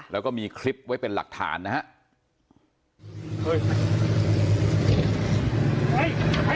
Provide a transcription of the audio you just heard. แล้วก็มีคลิปไว้เป็นหลักฐานนะครับ